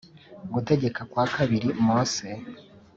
Gutegeka kwa Kabiri Mose.